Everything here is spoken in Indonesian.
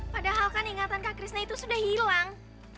padahal kan ingatan kak krisna itu sudah hilang